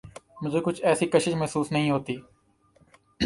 مجھے کچھ ایسی کشش محسوس نہیں ہوتی۔